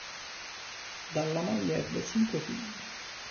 Dalla moglie ebbe cinque figli.